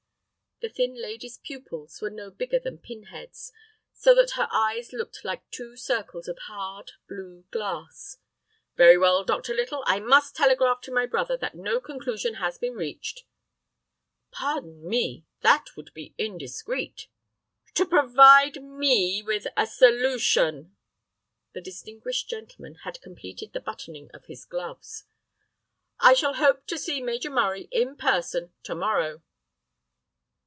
The thin lady's pupils were no bigger than pin heads, so that her eyes looked like two circles of hard, blue glass. "Very well, Dr. Little. I must telegraph to my brother that no conclusion has been reached—" "Pardon me, that would be indiscreet—" "To provide—me—with a solution!" The distinguished gentleman had completed the buttoning of his gloves. "I shall hope to see Major Murray in person to morrow."